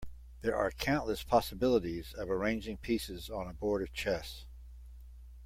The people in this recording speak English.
There are countless possibilities of arranging pieces on a board of chess.